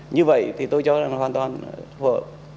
như vậy thì tôi cho rằng nó hoàn toàn vợ